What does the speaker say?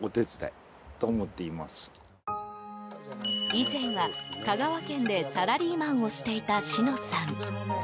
以前は香川県でサラリーマンをしていたシノさん。